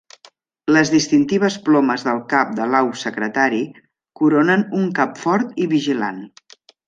Les distintives plomes del cap de l'au secretari coronen un cap fort i vigilant.